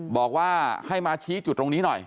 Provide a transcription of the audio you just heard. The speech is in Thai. บอกว่าให้มาชี้จุดตรงนี้หน่อย